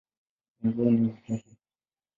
Wengi wao ni Wahehe.